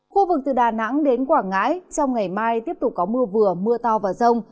khu vực từ đà nẵng đến quảng ngãi trong ngày mai tiếp tục có mưa vừa mưa to và rông